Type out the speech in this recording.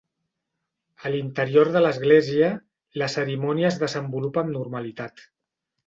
A l'interior de l'església la cerimònia es desenvolupa amb normalitat.